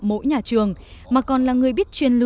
mỗi nhà trường mà còn là người biết